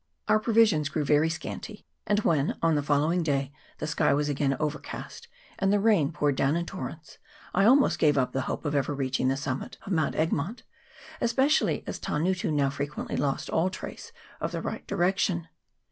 Our provisions grew very scanty ; and when on the following day the sky was again overcast, and the rain poured down in torrents, I almost gave up the hope of ever reaching the summit of Mount Egmont, especially as Tangutu now frequently lost all trace of the right direction.